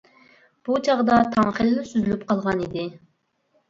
بۇ چاغدا تاڭ خېلىلا سۈزۈلۈپ قالغان ئىدى.